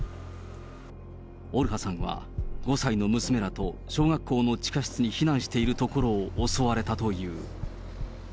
オルハさんは５歳の娘らと小学校の地下室に避難しているところを襲われたという。